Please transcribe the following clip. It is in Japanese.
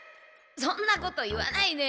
そんなこと言わないで。